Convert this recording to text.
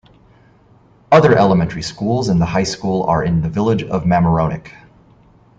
Other elementary schools and the high school are in the Village of Mamaroneck.